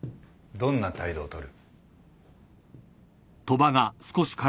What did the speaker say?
どんな態度をとる？